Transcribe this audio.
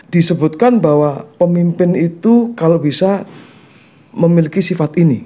disebutkan bahwa pemimpin itu kalau bisa memiliki sifat ini